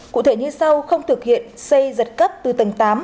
cụ thể như sau không thực hiện xây giật cấp từ tầng tám